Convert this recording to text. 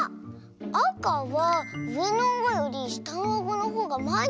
あかはうえのあごよりしたのあごのほうがまえにでてる！